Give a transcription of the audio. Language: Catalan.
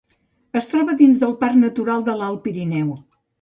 Es troba dins del Parc Natural de l'Alt Pirineu.